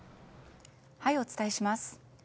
お伝えします。